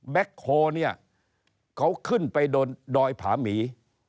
แบ็คโทเนี่ยเขาขึ้นไปโดยพาหมี